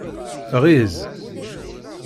Ɣiz.